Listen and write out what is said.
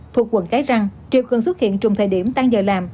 thuộc quận cái răng triều cường xuất hiện trong thời điểm tan giờ làm